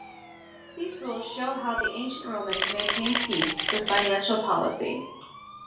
These rules show how the ancient Romans maintained peace with financial policy.